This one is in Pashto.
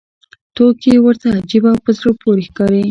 توکي ورته عجیبه او په زړه پورې ښکاري